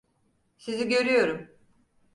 Sizi görüyorum.